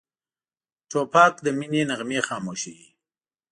توپک د مینې نغمې خاموشوي.